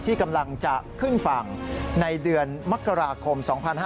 ที่กำลังจะขึ้นฝั่งในเดือนมกราคม๒๕๕๙